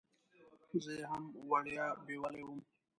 زه یې هم وړیا بیولې وم.